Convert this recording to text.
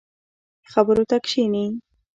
خبرو ته کښیني.